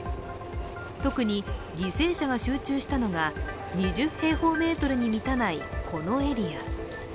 特に犠牲者が集中したのが２０平方メートルに満たないこのエリア。